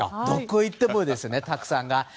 どこ行ってもたくさん。